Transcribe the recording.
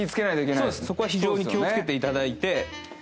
そうですそこは非常に気を付けていただいて。